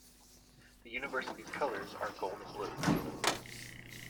The university's colours are gold and blue.